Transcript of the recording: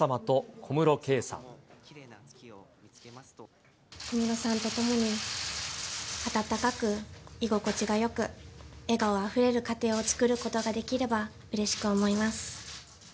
小室さんと共に温かく居心地がよく、笑顔あふれる家庭を作ることができれば、うれしく思います。